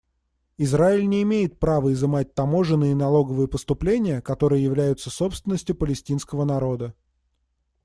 Израиль не имеет права изымать таможенные и налоговые поступления, которые являются собственностью палестинского народа.